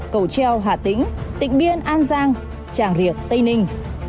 cầu treo hà tĩnh tịnh biên an giang tràng riệt tây ninh